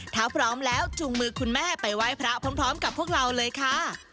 ถ้าพร้อมแล้วจูงมือคุณแม่ไปไหว้พระพร้อมกับพวกเราเลยค่ะ